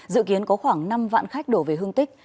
dự kiến có khoảng năm vạn khách đổ về hương tích